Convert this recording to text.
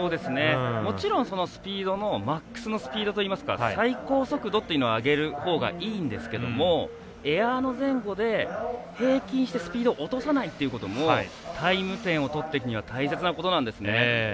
もちろんマックスのスピードといいますか最高速度というのは上げるほうがいいんですけどもエアの前後で平均してスピードを落とさないっていうこともタイム点を取っていくには大切なことなんですね。